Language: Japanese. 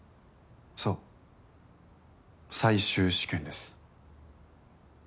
そう最終試験です。